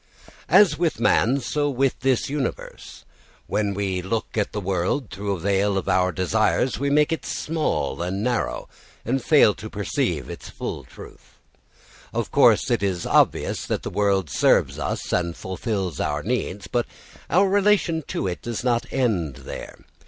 As with man, so with this universe. When we look at the world through the veil of our desires we make it small and narrow, and fail to perceive its full truth. Of course it is obvious that the world serves us and fulfils our needs, but our relation to it does not end there.